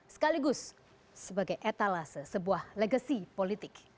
sekaligus sebagai etalase sebuah legasi politik